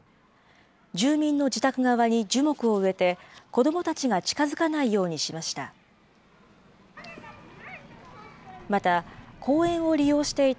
住民の自宅側に樹木を植えて、子どもたちが近づかないようにしました。